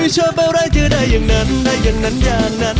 เจออะไรจะได้อย่างนั้นได้อย่างนั้นอ่ะ